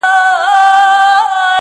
په تورو سترگو کي کمال د زلفو مه راوله.